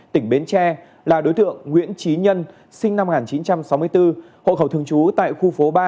tỉnh bến tre là đối tượng nguyễn trí nhân sinh năm một nghìn chín trăm sáu mươi bốn hộ khẩu thường trú tại khu phố ba